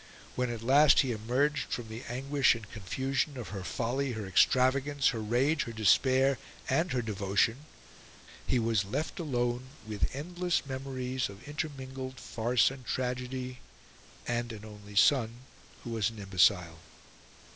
When at last he emerged from the anguish and confusion of her folly, her extravagance, her rage, her despair, and her devotion, he was left alone with endless memories of intermingled farce and tragedy, and an only son, who was an imbecile.